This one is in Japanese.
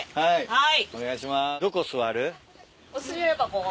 はい。